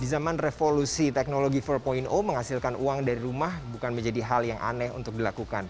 di zaman revolusi teknologi empat menghasilkan uang dari rumah bukan menjadi hal yang aneh untuk dilakukan